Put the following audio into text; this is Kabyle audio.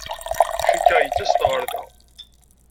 Cikkeɣ yettas-d ɣer da.